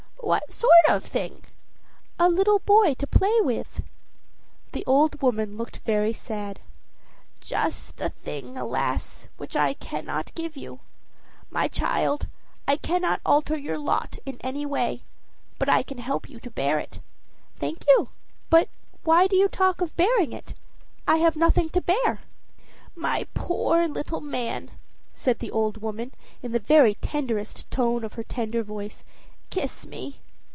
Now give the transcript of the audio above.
"What sort of thing!" "A little boy to play with." The old woman looked very sad. "Just the thing, alas I which I cannot give you. My child, I cannot alter your lot in any way, but I can help you to bear it." "Thank you. But why do you talk of bearing it? I have nothing to bear." "My poor little man!" said the old woman in the very tenderest tone of her tender voice. "Kiss me!"